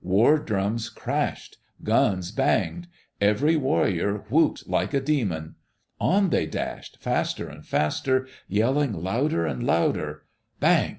War drums crashed; guns banged; every warrior whooped like a demon. On they dashed, faster and faster, yelling louder and louder. Bang!